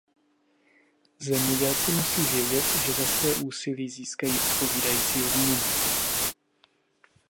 Zemědělci musí vědět, že za své úsilí získají odpovídající odměnu.